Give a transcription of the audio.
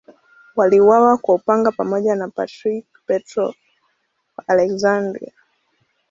Waliuawa kwa upanga pamoja na Patriarki Petro I wa Aleksandria.